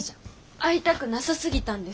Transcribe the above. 会いたくなさすぎたんです。